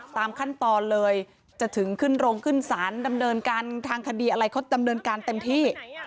ตามขั้นตอนเลยจะถึงขึ้นโรงขึ้นศาลดำเนินการทางคดีอะไรเขาดำเนินการเต็มที่